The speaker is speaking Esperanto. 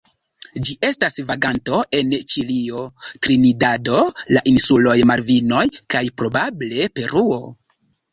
Ĝi estas vaganto en Ĉilio, Trinidado, la insuloj Malvinoj kaj probable Peruo.